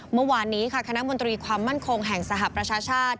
เมื่อวานนี้ค่ะคณะมนตรีความมั่นคงแห่งสหประชาชาติ